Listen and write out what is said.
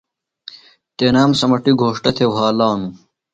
تنام سمَٹیۡ گھوݜتہ تھےۡ وھالانوۡ۔